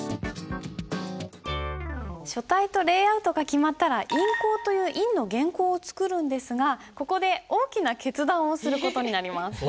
書体とレイアウトが決まったら印稿という印の原稿を作るんですがここで大きな決断をする事になります。